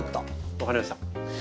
分かりました？